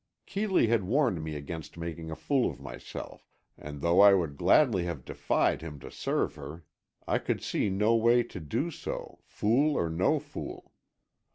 Keeley had warned me against making a fool of myself, and though I would gladly have defied him to serve her, I could see no way to do so, fool or no fool.